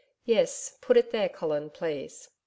Yes, put it there, Colin, please....